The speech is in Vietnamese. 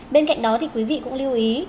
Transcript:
bên cạnh đó thì quý vị cũng lưu ý